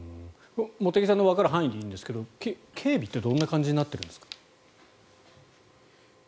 茂木さんのわかる範囲でいいんですが警備ってどんな感じになってるんですか？